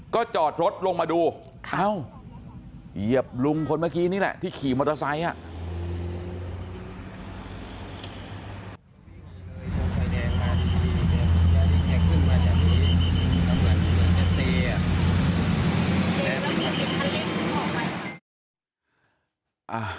ก็จอดรถลงมาดูเอ้าเหยียบลุงคนเมื่อกี้นี่แหละที่ขี่มอเตอร์ไซค์อ่ะ